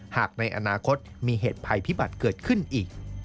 หากในอนาคตมีเหตุภัยพิบัติเกิดขึ้นอีก